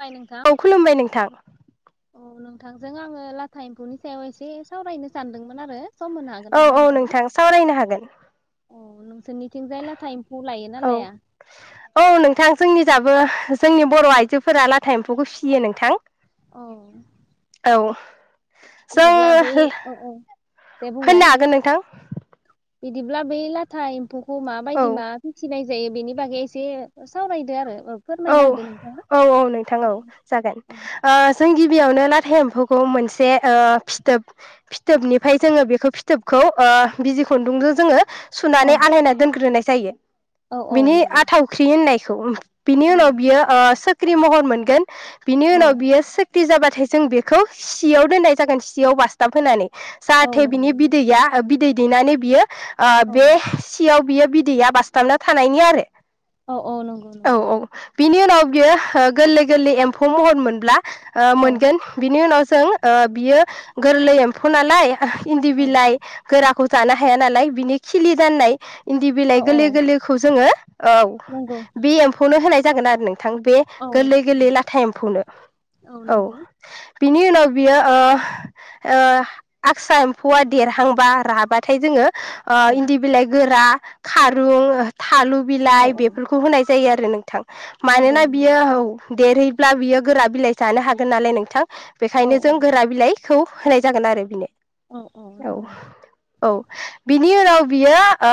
बाय नोंथां औ खुलुमबाय नोंथां। औ नोंथांजों आङो लाथा एम्फौनि सायाव एसे सावरायनो सानदोंमोन आरो। सम होनो हागोन औ नामा औ नोंथां सावरायनो हागोन। औ नोंसोरनिथिंजाय लाथा एम्फौ लायो ना औ लाया? औ नोंथां जोंनि जाबो जोंनि बर' आइजोफोरा लाथा एम्फौखौ फिसियो नोंथां। औ औ। जों बिदिब्ला बै अ औ दे बुंलाय? होननो हागोन नोंथां बिदिब्ला बै लाथा एम्फौ खौ मा औ बायदि मा फिसिनाय जायो बेनि बागै एसे सावरायदो आरो। फोरमायना औ होदो नोंथाङा औ औ नोंथां औ जागोन औ ओ जों गिबियावनो लाथा एम्फौ खौ मोनसे ओ फिथोब फिथोबनिफ्राय जोङो बेखौ फिथोबखौ ओ बिजि खुन्दुंजों जोङो औ सुनानै आलायना दोनग्रोनाय जायो। औ औ बिनि नंगौ आथावख्रि होननाय स [unintelligible] बिनि औ उनाव बियो ओ सो ख्रि महर मोनगोन। बिनि औ उनाव बियो सो सिखिरि जाबाथाय जों बेखौ सियाव दोननाय जागोन सियाव बास्थाब होनानै। औ जाहाथे नंगौ बिनि नंगौ बिदैया ओ बिदै दैनानै बियो ओ बे औ सियाव बियो बिदैया बास्थाबना थानायनि आरो औ औ नंगौ न औ [unintelligible] बिनि उनाव बियो ओ गोरलै गोरलै एम्फौ महर मोनब्ला बि ओ औ मोनगोन बिनि उनाव जों ओ बियो गोरलै एम्फौ नालाय इन्दि औ बिलाइ गोरा खौ जानो हाया नालाय बिनि खिलि जेननाय इन्दि बिलाइ औ गोरलै औ गोरलैखौ जोङो औ नंगौ बे एम्फौ नो होनाय जागोन आरो नोंथ थां बे औ गोरलै गोरलै नंगौ लाथा एम्फौनो औ बिनि उनाव बियो ओ ओ आदसा एम्फौआ देरहांबा राबाथाय जोङो ओ औ इन्दि बिलाइ गोरा खारुं थालु औ बिलाइ औ बेफोरखौ होनाय जायो आ रो नोंथां नंगौ मानोना नंगौ बियो हौ देरहैब्ला बियो गोरा बिलाइ जानो हागोन नालाय नोंथां औ बेखायनो जों गोरा बिलाइ खौ होनाय जागोन आरो बिनो औ औ नंगौ औ औ बि नि उनाव बियो ओ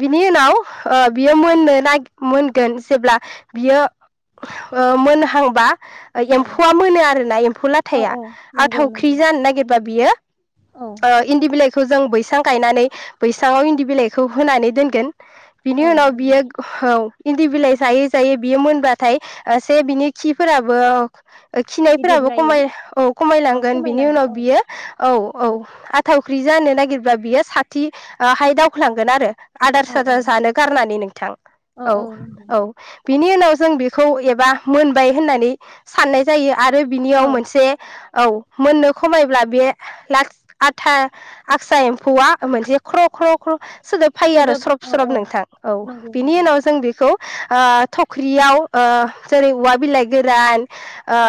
बिनि उनाव ओ बियो औ मोननो नागि मोनगोन जेब्ला बियो ओ मोनहांबा ओ औ एम्फौआ मोनो आरोना एम्फौ औ लाथाया औ आ नंगौ थावख्रि नंगौ जानो नागिरबा बियो औ ओ इन्दि बिलाइखौ जों बैस सां गायनानै बैसाङाव इन्दि बिलाइखौ होनानै दोनगोन बिनि औ उनाव नंगौ बियो औ इन्दि बिलाइ जायै जायै बियो मोनबाथाय ओ-से बिनि खिफोराबो गिदिर खिनायफोराबो जायो खमाय औ औ खमायलांगोन बिनि खमायलाङो उनाव औ बियो औ। औ आथावख्रि जानो नागिरब्ला बियो साथि ओ-हाय दावखोलांगोन आरो। आदार औ औ सादार जानो गारनानै नोंथां औ औ। बिनि उनाव जों बेखौ एबा मोनबाय होननानै साननाय जायो। आरो औ बिनियाव मोनसे औ मोननो खमायब्ला बे लाथ आथा आक्सा एम्फौआ मोनसे ख्र' ख्र' ख्र। सोदोब फायो आरो स्रब औ स्रब औ नोंथां औ नंगौ बिनि नंगौ उनाव जों बेखौ ओ-थख्रियाव ओ-जेरै औवा बिलाइ गोरान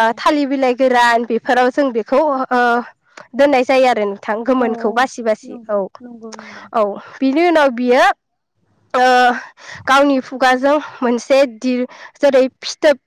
औ थाल बिलाय। गोरान बेफोराव जों बेखौ ओ-दोननाय जायो आरो नों। थां औ औ गोमोनखौ बासि बासि नंगौ औ नंगौ नंगौ औ। बिनि उनाव बियो। ओ-गावनि खुगाजों मोनसे दिर जेरै फिथोब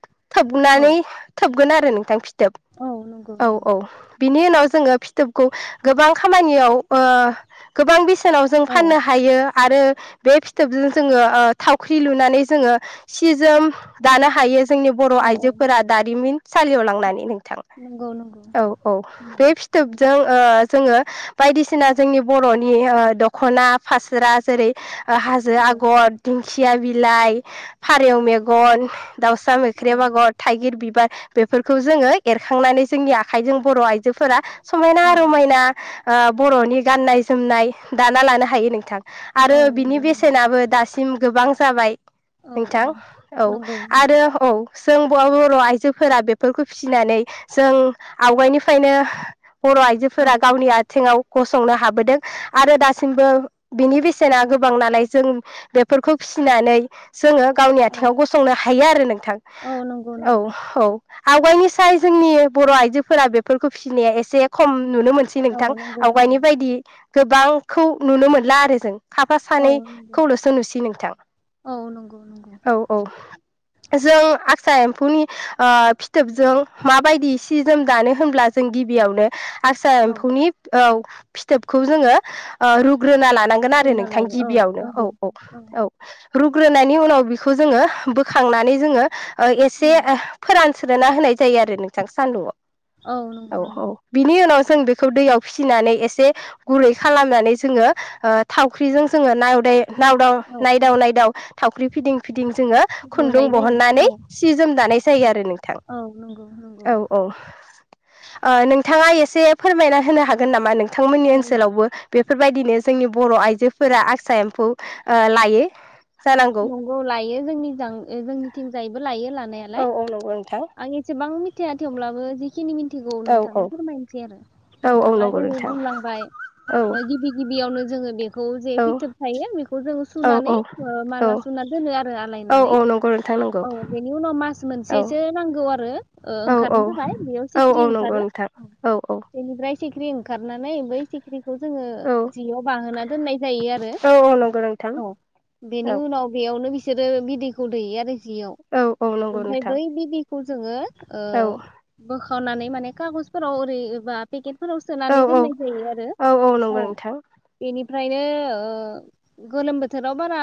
औ थोबनानै थोब गोन आरो नोंथां। थाब औ नंगौ औ नंगौ औ बिनि उनाव जोङो फिथोब। खौ गोबां खामानियाव ओ-गोबां बिस नाव जों औ फाननो हायो। आरो बे फिथोबजों जोङो ओ-थावख्रि लुनानै जोङो सि जोम दानो हायो। जोंनि बर' औ औ आइजोफोरा दारिमिन। सालियाव लांनानै नै। थां नंगौ नंगौ औ औ नंगौ बे फिथोब। ओ-जोङो बायदिसिना जोंनि बर'नि ओ-दख'ना फास्रा जेरै हाजो औ आगर दिंखि खिया बिलाइ फारेव मेगन। दाउसा औ मोख्रेब आगर थाइगिर बिबार। बेफोरखौ जोङो एरखांनानै जोंनि आखाइजों बर' आइजोफोरा औ समायना रमायना आ बर'नि गाननाय जोमनाय दाना लानो हायो नोंथां। आरो औ बिनि नंगौ नंगौ बेसेनाबो दासिम गोबां जाबाय औ नोंथां औ नंगौ नंगौ आरो औ। जों बर' आइजोफोरा बेफोरखौ फिसिनानै जों आवगायनिफ्रायनो बर' औ आइजोफोरा गावनि आथिंङाव गसंनो हाबोदों आरो दासिमबो बिनि बेसेना गोबांनानै जों बेफोरखौ फिसिनानै जोङो गावनि औ आथिङाव गसंनो हायो आरो नोंथां औ नंगौ औ नंगौ औ। आवगायनि साय जोंनि बर' आइजोफोरा बेफोरखौ फिसिनाया एसे खम नुनो मोनसै औ नोंथां नंगौ नंगौ आवगायनि बायदि गोबांखौ नुनो मोनला आरो जों। खाफा औ नंगौ सानैखौल'सो नुसै नोंथां औ नंगौ नंगौ। औ औ। जों आतसा एम्फौनि ओ फिथोबजों माबायदि सि जोम दानो होनब्ला जों गिबियावनो आचसा औ एम्फौनि औ फिथोबखौ जोङो रुगो ग्रोना लानांगोन आरो रुना नोंथां लायो औ गिबियावनो नंगौ औ औ औ। रुग्रोनायनि उनाव बिखौ जोङो बोखांनानै जोङो औ एसे फोरान सोलोना होनाय जायो आरो नोंथां सान्दुंआव। औ नंगौ नंगौ। नि उनाव जों बेखौ दैयाव फिसिनानै एसे गुरै खालामनानै जोङो ओ थावख्रिजों जोङो नायदाय नाव दं औ नायदाव नायदाव थावख्रि फिदिं बिदिं जोङो खुन्दुं लुनाय जायो दिहुननानै औ। सि जोम दानाय जायो आरो नोंथां औ नंगौ नंगौ। औ औ। ओ नों थाङा एसे फोरमायना होनो हागोन नामा नों थांमोननि औ ओनसोलावबो बे बेफोरबायदिनो जोंनि बर' आइजोफोरा आसा एम्फौ ओ लायो जानांगौ नंगौ लायो जोंनि जोंनिथिंजायैबो लायो लानाया औ लाय औ नंगौ नोंथां आं एसे गोबां मिथिया थेवब्लाबो जि खिनि मिथिगौ औ औ नोंथांनो फोरमायनोसै आरो औ औ नोंथाङा नंगौ जेरै नोंथां बुंलांबाय औ गिबि गिबियावनो जोङो खौ जे औ फिथोब थायो बेखौ जों औ सुनानै ओ औ माला सुना दोनो आरो औ आलायनानै औ नंगौ नोंथां नंगौ औ बेनि उनाव मास औ मोनसेसो नांगौ आरो ओ औ ओंखारनो औ थाखाय बेयाव औ औ सिख्रि नंगौ ओंखारो नोंथां औ औ बेनिफ्राय। [unintelligible] ओंखारनानै बै सिख्रिखौ जोङो औ जियाव बाहोना दोननाय जायो आरो औ औ नंगौ नोंथां औ। बेनि औ उनाव बे। बेयावनो बिसोरो बिदैखौ दैयो आरो। जियाव औ औ नंगौ ओमफ्राय नोंथां बै बिदिखौ जोङो ओ औ बोखा खननानै माने कागजफोराव ओरैबा पेकेट। फोराव औ सोनानै दोननाय जायो आरो औ नंगौ औ नोंथां बेनि ओमफ्रायनो ओ गोलोम बोथोराव। बारा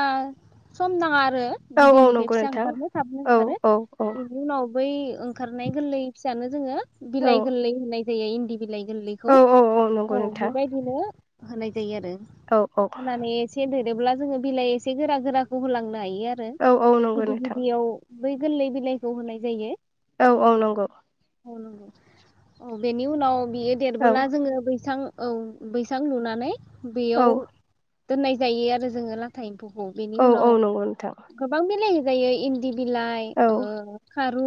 सम नाङा आ आरो औ औ बिदैनिफ्राय नंगौ फिसा नोंथां ओंखारनो थाबनो औ ओंखारो औ बेनि उनाव। बै ओंखारनाय गोरलै फिसानो जोङो औ बिलाइ गोरलै होनाय। जेरै इन्दि। बिलाइ गोरलैखौ औ नंगौ औ नोंथां बेबायदिनो। होनाय। जायो आरो औ औ होनानै एसे। देरब्ला जोङो। बिलाइ एसे गोरा गोराखौ होलाङो। लायो आरो औ औ नंगौ गिबि नोंथां गिबियाव। बै गोरलै बिलाइखौ होनाय जायो। औ औ नंगौ। औ बेेनि उनाव। बियो औ देरबोला जोङो बैसां। औ बैसां लुनानै। औ बेयाव। दोननाय जायो आरो जोङो। [unintelligible] [unintelligible] बेनि औ औ उनाव नंगौ नोंथां गोबां बिलाइ जायो इन्दि। बिलाइ औ ओ खा रु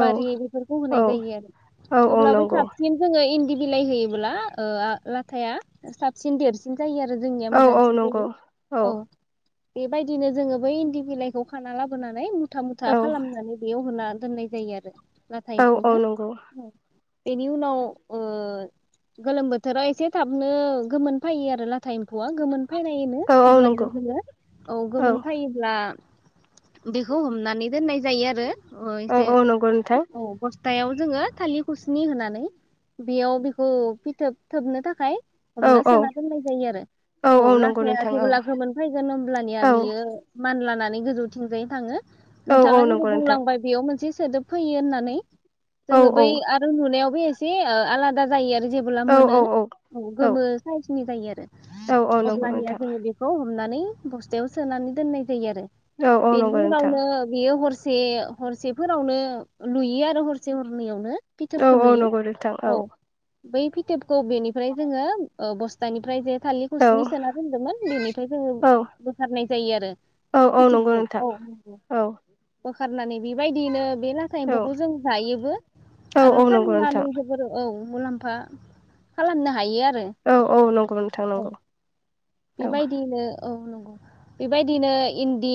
औ बेफोरखौ औ होनाय जायो आरो औ औ थेवब्लाबो नंगौ साबसिन जोङो इन्दि। बिलाइ होयोबोला लाथाया साबसिन देरसिन जायो आरो जोंनिया औ औ मोजांसिन नंगौ जायो औ बेबायदिनो जोङो बै इन्दि बिलाइखौ खाना लाबोनानै मुथा मुथा औ खालामनानै बेयाव होनानै दोननाय जायो आरो नाथाय औ एम्फौनो औ नंगौ बेनि उनाव ओ गोलोम बोथोराव एसे थाबनो गोमोन फैयो आरो लाथा एम्फौआ गोमोन फैनाय औ औ नंगौ अब्लानि जोङो औ गोमोन फैयोब्ला बिखौ हमनानै दोननाय जायो आरो ओ औ एसे औ नंगौ नोंथां औ बस्थायाव जोङो थालि खुसनि होनानै बेयाव बेखौ फिथोब थोबनो थाखाय औ हमना औ सोना दोननाय जायो आरो औ नंगौ लाथाया नोंथां जेब्ला औ गोमोन फैगोन होमब्लानिया औ बियो मानलाना बे गोजौ थिंजायनो थाङो औ नोंथाङा जेरै नंगौ नोंथां बुंलांबाय बेयाव मोनसे सोदोब फैयो होननानै औ जोङो औ बै आरो नुनायाव बे एसे ओ आलादा जायो आरो जेब्ला औ मोनो औ गोमो साइसनि जायो आरो औ औ नंगौ अब्लानिया नोंथां बेखौ हमनानै बस्थायाव सोनानै दोननाय जायो आरो औ औ बेनि नंगौ नोंथां उनावनो बेयो हरसे से हरसेफोरावनो लुयो आरो हरसे हरनैयावनो औ फिथोबखौ औ लुयो नंगौ नोंथां औ बै फिथोब खौ बेनिफ्राय जोङो ओ बस्थानिफ्राय जे थालि औ खुसनि सोना सोदोमोन बेनिफ्राय जोङो औ बोखारनाय जायो आरो औ औ नंगौ नोंथां औ औ होखारनानै बेबायदियैनो बे लाथा एम्फौखौ जों जायोबो औ आरो औ नंगौ फाननानै नोंथां जोबोर औ मुलाम्फा खालामनो हायो आ- औ औ नंगौ नोंथां नंगौ। औ बेबायदियैनो औ नंगौ बेबायदिनो इन्दि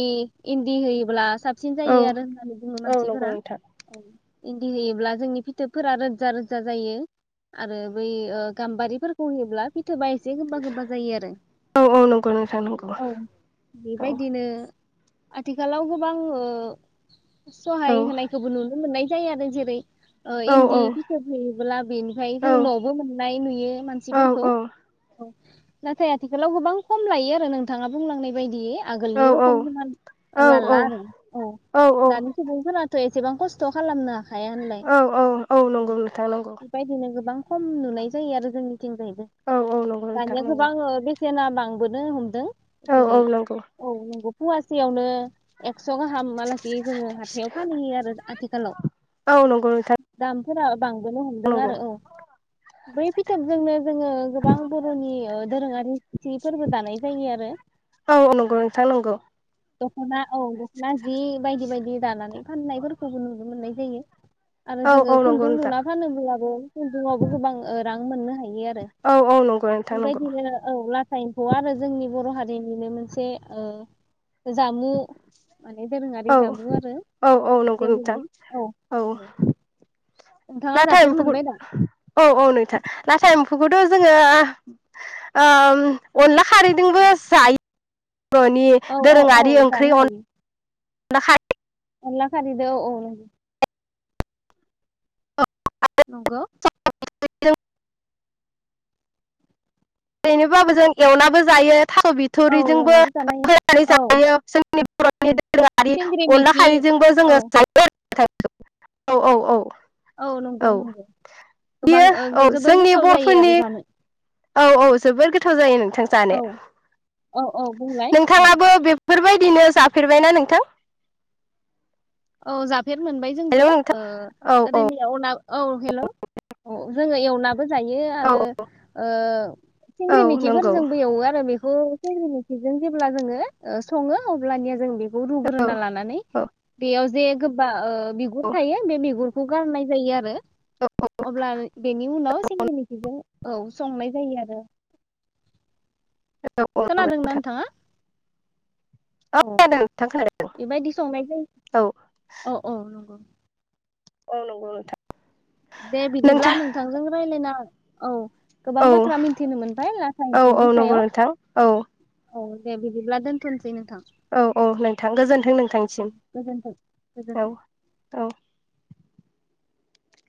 इन्दि होयोब्ला साबसिन औ जायो आरो होननानै बुङो औ नंगौ मानसिफोरा नोंथां औ। इन्दि होयोब्ला जोंनि फिथोबफोरा रोजा रोजा जायो आरो बै अ गाम्बारिफोरखौ होयोब्ला फि थोबा एसे गोबा-गोबा जायो आरो। औ औ नंगौ नोंथां नंगौ औ। बेबायदिनो आथिखालाव गोबां ओ औ सहाय होनायखौबो नुनो मोननाय जायो आरो जिरै ओ औ इन्दि फिथोब होयोब्ला बेनिफ्राय औ जों न'बो मोननाय नुयो औ मानसिफोरखौ औ। नाथाय आथिखालाव गोबां खम लायो आरो नोंथाङा बुंलांनाय बायदि आगोलनि औ रखम हिमान औ लाला आरो औ दानि सुबुंफोरा थ' एसेबां खस्थ' खालामना। औ औ औ नंगौ नोंथां नंगौ। बेबायदिनो गोबां खम नुनाय जायो आरो जोंनि थिंजायबो औ नंगौ नोंथां दानिया नंगौ औ गोबां अ बे सेना बांबोनो हमदों। जेरै औ नंगौ औ नंगौ। फुवासेयावनो एक्स' गाहाम आलासि जोङो हाथायाव फानहैयो आरो आथिखालाव औ नंगौ नोंथां दाम। [unintelligible] बांबोनो हमदों नंगौ आरो औ बै फिथोबजोंनो जोङो गोबां बर'नि अ दोरोङारि जिफोरबो दानाय जायो आरो। औ औ नंगौ नोंथां नंगौ दखना। औ दख'ना जि बायदि बायदि दानानै फाननायफोरखौबो नुनो मोननाय जायो आरो औ औ जोङो नंगौ खुन्दुं नोंथां लुना फानोब्लाबो खुन्दुंआवबो गोबां अ रां मोननो हायो आरो औ औ नंगौ नोंथां नंगौ बेबायदिनो अब्ला एम्फौ आरो जोंनि बर' हारिनिनो मोनसे ओ जामु। माने दोरोङारि औ जामु आरो औ औ नंगौ नोंथां देवलि औ नंगौ। नोंथाङा लाथा जाफेर एम्फौखौ मोनबाय दा औ औ नोंथां लाथा एम्फौखौथ' जोङो ओ अनला खारैजोंबो जायो बर'नि औ औ औ दोरोङारि ओंख्रि जानो अन हायो दखाय अनला खारिदो औ नंगौ बे [unintelligible] ओरैनोबाबो जों एवनाबो जायो। थास' औ बिथरिजोंबो एवनाबो जानो हायो होनानै औ जायो ‌। नि [unintelligible] सिंग्रि [unintelligible] अनला मैखि खारैजोंबो औ जोङो‌ जायो [unintelligible] [unintelligible] औ औ औ औ नंगौ नंगौ गोबां बियो औ ओ जोबोर जोंनि गोथाव जायो बर'फोरनि आरो जानो। औ औ जोबोर गोथाव जायो [unintelligible] औ औ औ बुंलाय, औ नोंथाङाबो बेफोरबायदिनो जाफेरबायना नोंथां? औ जा फेर मोनबाय जोंबो हेलौ नोंथां औ औ ओरैनि आव औ हेल' औ जों एवनाबो बो जायो औ आरो औ सिंग्रि नंगौ मिखिफोरजोंबो एवो आरो बेखौ सिंग्रिमिखिजों जेब्ला जोङो सङो अब्लानिया जों बे खौ औ रुग्रोना लानानै औ जे गोबा ओ बिगुर औ थायो बे बिगुर खौ गारनाय जायो आरो, औ अब्ला बेनि उनाव सिंग्रिमिखिजों औ संनाय जायो आरो औ नंगौ खोनादोंना नोंथां नोंथाङा? औ [unintelligible] थ बेबायदि संनाय जायो औ औ उम औ नंगौ नोंथां दे बिदिब्ला नोंथां नोंथांजों रायज्लायना औ गोबां औ बाथ्रा मिथिनो मोनबाय लाटा औ औ एम्फौनि नंगौ सायाव। नोंथां औ औ दे बिदिब्ला दोनथनोसै नों औ औ नोंथां गोजोन्थों औ नोंथांनिसिम गोजोनथों गोजोनथों औ औ